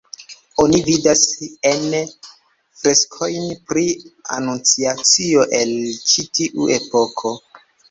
Oni vidas ene freskojn pri anunciacio el ĉi tiu epoko.